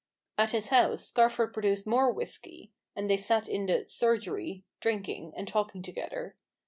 At his house Scarford produced more whisky; and they sat in the " surgery " drinking, and talking together.